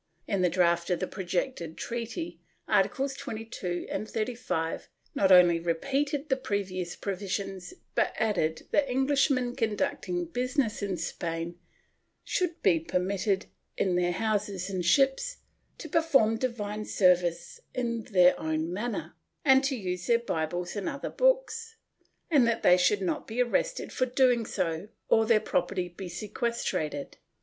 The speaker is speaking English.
In the draft of the projected treaty. Articles 22 and 35 not only repeated the previous provisions but added that Englishmen conducting business in Spain should be per mitted, in their houses and ships, to perform divine service in their own manner, and to use their Bibles and other books, and that they should not be arrested for so doing or their property be seques trated.